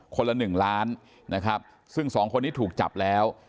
คนละ๑ล้านนะครับซึ่ง๒คนนี้ถูกจับแล้ว